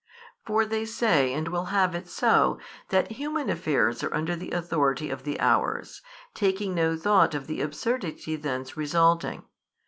For they say and will have it so, that human affairs are under the authority of the hours, taking no thought of the absurdity thence resulting.